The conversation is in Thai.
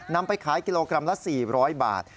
นำไปขายกิโลกรัมละ๔๐๐บาท